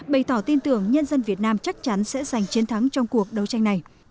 bày tỏ tin tưởng nhân dân việt nam chắc chắn sẽ giành chiến thắng trong cuộc đấu tranh này